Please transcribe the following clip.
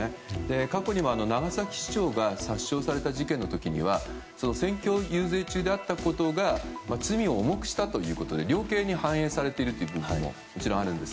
過去にも長崎市長が殺傷された事件の時には選挙遊説中であったことが罪を重くしたということで量刑に反映されていることももちろんあるんです。